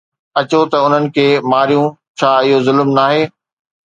اچو ته انهن کي ماريون، ڇا اهو ظلم ناهي؟